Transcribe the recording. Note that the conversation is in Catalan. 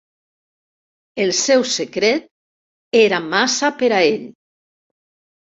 El seu secret era massa per a ell.